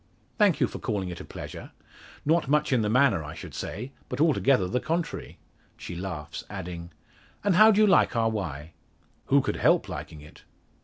"Thank you for calling it a pleasure. Not much in the manner, I should say; but altogether the contrary," she laughs, adding "And how do you like our Wye?" "Who could help liking it?"